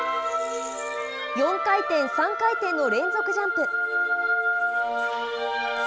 ４回転、３回転の連続ジャンプ。